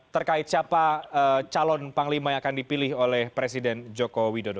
terkait siapa calon panglima yang akan dipilih oleh presiden joko widodo